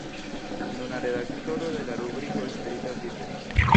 Nuna redaktoro de la rubriko Spirita Vivo.